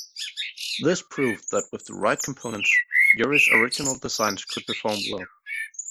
This proved that with the right components, Urie's original design could perform well.